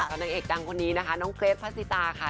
นางเอกดังคนนี้นะคะน้องเกรทพระศิตาค่ะ